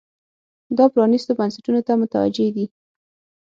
دا پرانیستو بنسټونو ته متوجې دي.